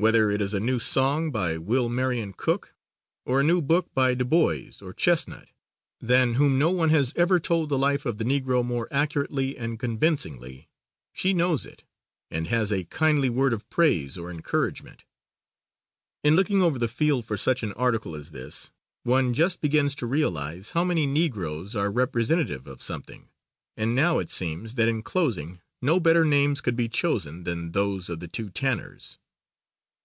Whether it is a new song by Will Marion Cook or a new book by DuBois or Chestnut, than whom no one has ever told the life of the Negro more accurately and convincingly, she knows it and has a kindly word of praise or encouragement. In looking over the field for such an article as this, one just begins to realize how many Negroes are representative of something, and now it seems that in closing no better names could be chosen than those of the two Tanners.